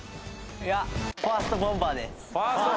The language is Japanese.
いやファーストボンバーです。